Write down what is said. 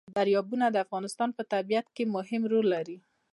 دریابونه د افغانستان په طبیعت کې مهم رول لري.